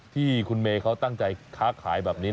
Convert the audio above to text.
ที่คุณเมย์เขาตั้งใจค้าขายแบบนี้